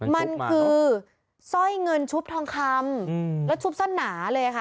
มันคือสร้อยเงินชุบทองคำแล้วชุบสั้นหนาเลยค่ะ